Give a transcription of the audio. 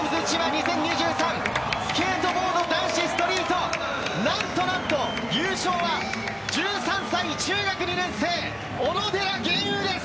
２０２３、スケートボード男子ストリート、なんとなんと、優勝は１３歳、中学２年生・小野寺吟雲です。